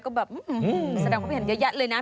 ก็แบบสดังความผิดหันยัยยัดเลยนะ